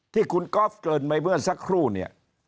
ที่คุณก๊อฟเกินไปเมื่อสักครู่เนี่ย